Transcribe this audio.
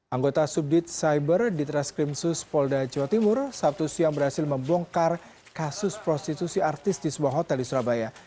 anggota subdit cyber di treskrimsus polda jawa timur sabtu siang berhasil membongkar kasus prostitusi artis di sebuah hotel di surabaya